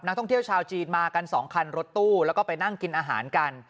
ท่องเที่ยวชาวจีนมากัน๒คันรถตู้แล้วก็ไปนั่งกินอาหารกัน